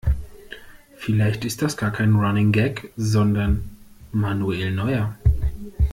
Vielleicht ist das gar kein Running Gag, sondern Manuel Neuer.